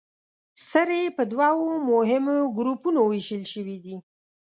سرې په دوو مهمو ګروپونو ویشل شوې دي.